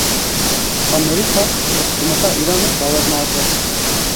Amerîka ji hikûmeta Îranê bawer nake.